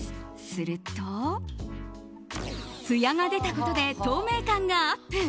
すると、つやが出たことで透明感がアップ。